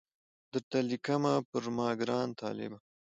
درته لیکمه پر ما ګران طالبه